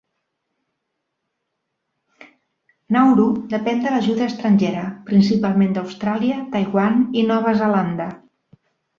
Nauru depèn de l'ajuda estrangera, principalment d'Austràlia, Taiwan i Nova Zelanda.